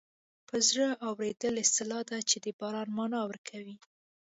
په زړه اورېدل اصطلاح ده چې د باران مانا ورکوي